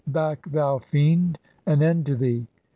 . Back, thou fiend, an "end to thee!